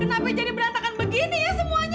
tapi jadi berantakan begini ya semuanya